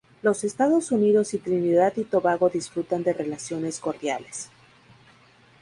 Los Estados Unidos y Trinidad y Tobago disfrutan de relaciones cordiales.